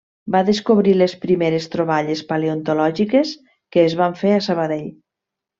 Va descobrir les primeres troballes paleontològiques que es van fer a Sabadell.